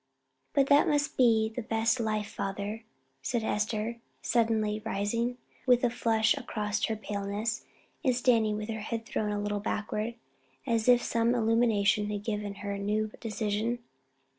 "But that must be the best life, father," said Esther, suddenly rising, with a flush across her paleness, and standing with her head thrown a little backward, as if some illumination had given her a new decision.